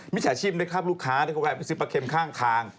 มีศาชิมฯได้ทหารฆุมไข้ซื้อปลาเข็มข้าง